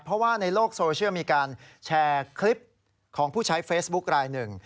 เพราะว่าในโลกโซเชียลมีการแชร์คลิปของผู้ใช้เฟซบุ๊คลายหนึ่ง